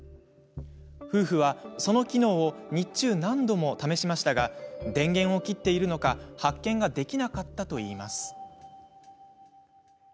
夫婦は、その機能を日中、何度も試しましたが電源を切っているのか発見ができなかったといいます。